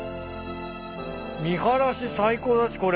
見晴らし最高だしこれ。